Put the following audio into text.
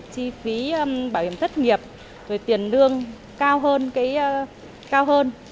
chi phí bảo hiểm thất nghiệp tiền lương cao